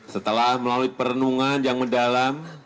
setelah melalui perenungan yang mendalam